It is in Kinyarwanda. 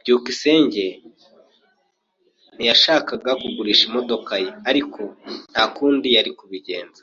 byukusenge ntiyashakaga kugurisha imodoka ye, ariko nta kundi yari kubigenza.